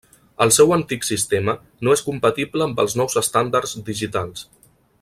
El seu antic sistema no és compatible amb els nous estàndards digitals.